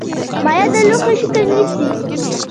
مایع د لوښي شکل نیسي.